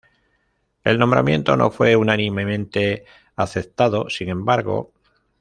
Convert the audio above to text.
El nombramiento no fue unánimemente aceptado, sin embargo.